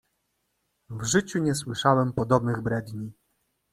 "W życiu nie słyszałem podobnych bredni!"